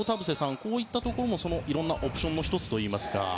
こういったところもいろんなオプションの１つといいますか。